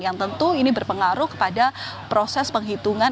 yang tentu ini berpengaruh kepada proses penghitungan